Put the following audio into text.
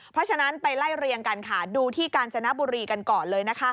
เพราะฉะนั้นไปไล่เรียงกันค่ะดูที่กาญจนบุรีกันก่อนเลยนะคะ